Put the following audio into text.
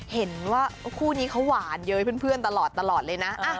เห็นว่าคู่นี้เขาหวานเย้ยเพื่อนตลอดเลยนะ